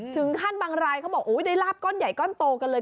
ถึงขั้นบางรายเขาบอกได้ลาบก้อนใหญ่ก้อนโตกันเลย